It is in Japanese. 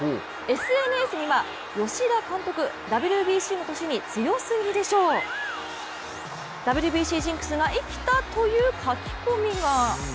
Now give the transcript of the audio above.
ＳＮＳには、吉田監督、ＷＢＣの年に強すぎでしょ、ＷＢＣジンクスが生きたという書き込みが。